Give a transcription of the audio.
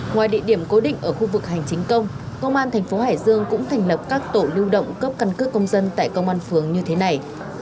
ngoài địa điểm cố định ở khu vực hành chính công công an thành phố hải dương cũng thành lập các tổ lưu động cấp căn cước công dân tại công an phường như thế này